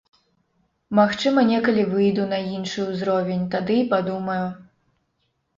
Магчыма, некалі выйду на іншы ўзровень, тады і падумаю.